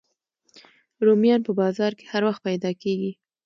رومیان په بازار کې هر وخت پیدا کېږي